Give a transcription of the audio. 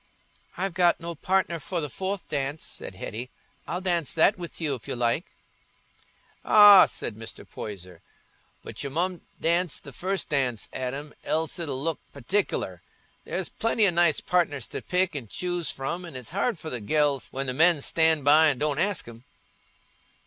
"I've got no partner for the fourth dance," said Hetty; "I'll dance that with you, if you like." "Ah," said Mr. Poyser, "but you mun dance the first dance, Adam, else it'll look partic'ler. There's plenty o' nice partners to pick an' choose from, an' it's hard for the gells when the men stan' by and don't ask 'em."